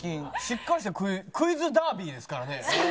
しっかりした『クイズダービー』ですからね。